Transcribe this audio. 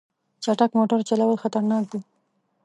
چټک موټر چلول خطرناک دي.